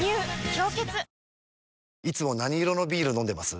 「氷結」いつも何色のビール飲んでます？